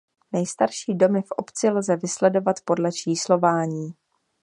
Nejstarší domy v obci lze vysledovat podle číslování.